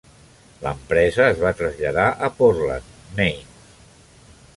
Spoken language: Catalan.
L'empresa es va traslladar a Portland, Maine.